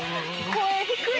声低い！